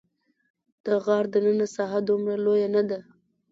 د غار دننه ساحه دومره لویه نه ده.